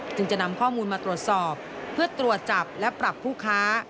จึงจะนำข้อมูลมาตรวจสอบเพื่อตรวจจับและปรับผู้ค้า